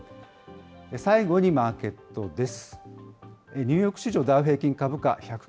最後にマーケットです。